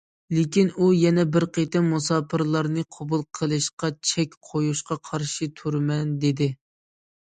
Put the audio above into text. لېكىن ئۇ يەنە بىر قېتىم مۇساپىرلارنى قوبۇل قىلىشقا چەك قويۇشقا قارشى تۇرىمەن دېدى.